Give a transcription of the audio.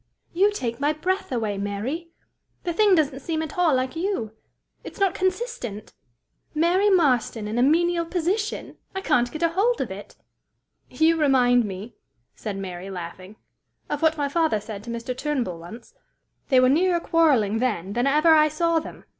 "You take my breath away, Mary! The thing doesn't seem at all like you! It's not consistent! Mary Marston in a menial position! I can't get a hold of it!" "You remind me," said Mary, laughing, "of what my father said to Mr. Turnbull once. They were nearer quarreling then than ever I saw them.